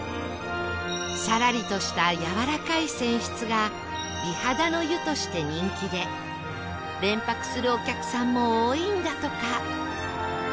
さらりとしたやわらかい泉質が美肌の湯として人気で連泊するお客さんも多いんだとか